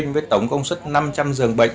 với tổng công suất năm trăm linh giường bệnh